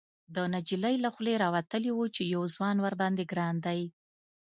، د نجلۍ له خولې راوتلي و چې يو ځوان ورباندې ګران دی.